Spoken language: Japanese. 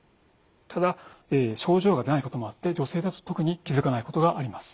ただ症状がないこともあって女性だと特に気付かないことがあります。